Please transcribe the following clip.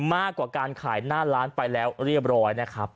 มากกว่าการขายหน้าร้านไปแล้วเรียบร้อยนะครับ